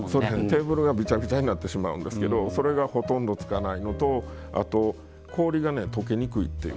テーブルがびちゃびちゃになってしまうんですけどそれがほとんどつかないのとあと氷がねとけにくいっていう。